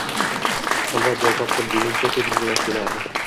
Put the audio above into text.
Xilvat joy topdim deguncha ko‘zimga yosh kelardi.